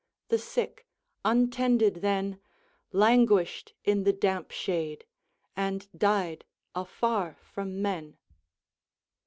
The sick, untended then, Languished in the damp shade, and died afar from men.